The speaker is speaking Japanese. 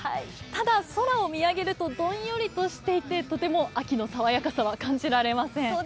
ただ空を見上げるとどんよりとしていてとても秋の爽やかさは感じられません。